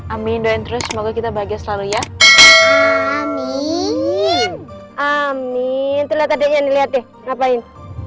amin semoga kita bahagia selalu ya amin amin